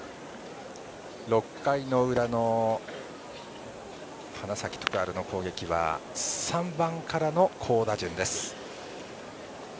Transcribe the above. ６回の裏の花咲徳栄の攻撃は３番からの好打順です。